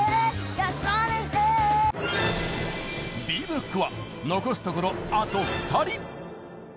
Ｂブロックは残すところあと２人！